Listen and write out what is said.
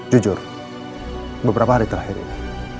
jujur beberapa hari terakhir ini